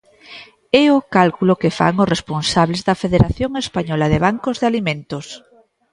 É o cálculo que fan os responsables da Federación Española de Bancos de Alimentos.